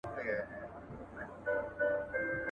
• له لېوني څخه ئې مه غواړه، مې ورکوه.